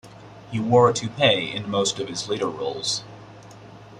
He wore a toupee in most of his later roles.